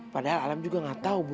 padahal alam juga nggak tahu bu